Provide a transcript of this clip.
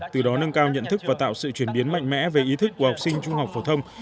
từ đó nâng cao nhận thức và tạo sự chuyển biến mạnh mẽ về ý thức của học sinh trung học phổ thông